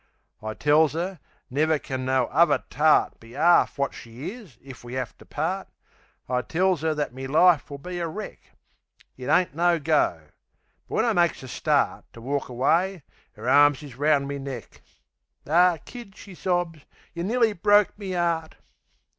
I tells 'er, never can no uvver tart Be 'arf wot she is, if we 'ave to part. I tells 'er that me life will be a wreck. It ain't no go. But when I makes a start To walk away, 'er arms is roun' me neck. "Ah, Kid!" she sobs. "Yeh nearly broke me 'eart!"